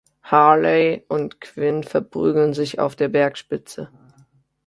Harley und Quint verprügeln sich auf der Bergspitze.